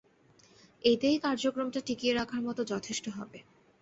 এতেই কার্যক্রমটা টিকিয়ে রাখার মতো যথেষ্ট হবে।